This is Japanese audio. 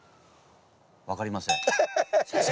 分かりません先生。